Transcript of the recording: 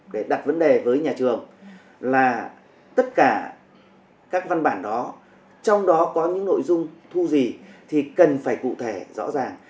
để đặt vấn đề với nhà trường là tất cả các văn bản đó trong đó có những nội dung thu gì thì cần phải cụ thể rõ ràng